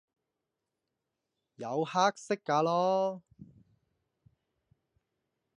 有黑色架囉